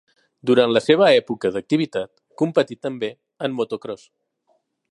Durant la seva època d'activitat, competí també en motocròs.